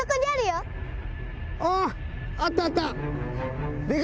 おあったあった！